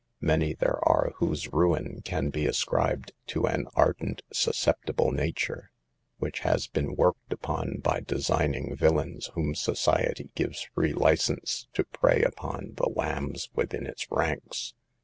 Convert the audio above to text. Many there are whose ruin can be ascribed to an ardent, susceptible nature, which has been worked upon by de * signing villains whom society gives free license to prey upon the lambs within its ranks.